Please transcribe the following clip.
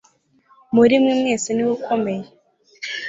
muri mwe mwese ni we ukomeye